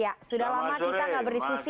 ya sudah lama kita gak berdiskusi